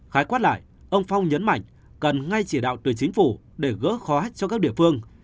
khái quát lại ông phong nhấn mạnh cần ngay chỉ đạo từ chính phủ để gỡ khó cho các địa phương